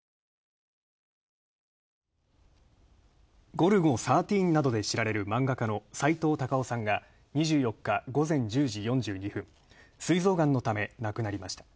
「ゴルゴ１３」などで知られる漫画家のさいとう・たかおさんが２４日午前１０時４２分、すい臓がんのため亡くなりました。